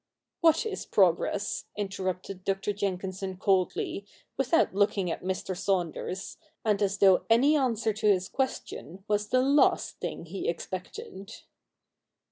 ' What is progress ?' interrupted Dr. Jenkinson coldly, without looking at Mr. Saunders, and as though any answer to his question was the last thing he expected.